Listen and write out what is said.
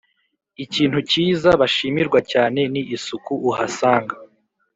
ikintu kiza bashimirwa cyane ni isuku uhasanga